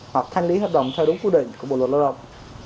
hoặc thanh lý hợp đồng theo đúng quy định của bộ luật lao động